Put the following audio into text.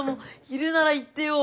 いるなら言ってよ。